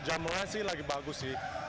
jamuan sih lagi bagus sih